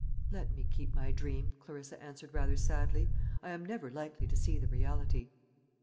"Let me keep my dream," Clarissa answered rather sadly "I am never likely to see the reality."